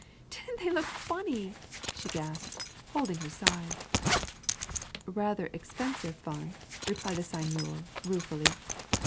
didn't they look funny?" she gasped, holding her sides. "Rather expensive fun," replied the Seigneur ruefully.